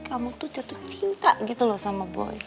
kamu tuh jatuh cinta gitu loh sama boy